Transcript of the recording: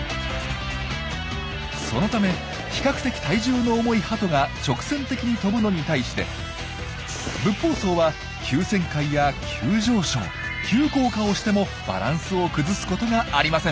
そのため比較的体重の重いハトが直線的に飛ぶのに対してブッポウソウは急旋回や急上昇急降下をしてもバランスを崩すことがありません。